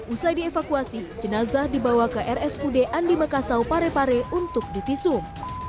usai dievakuasi jenazah dibawa ke rsud andi makassau parepare untuk divisum